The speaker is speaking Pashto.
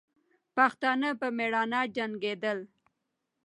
پښتانه په میړانه جنګېدل.